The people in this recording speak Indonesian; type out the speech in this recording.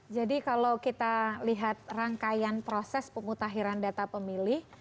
jadi kalau kita lihat rangkaian proses pemutahiran data pemilih